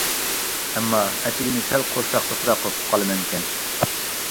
ئەمما ئەتىگىنى سەل قورساق توقراق قوپۇپ قالىمەنكەن.